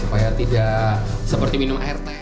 supaya tidak seperti minum air teh